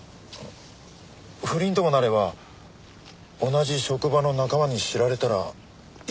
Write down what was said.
不倫ともなれば同じ職場の仲間に知られたら一大事でしょうし。